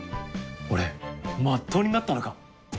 俺、真っ当になったのか？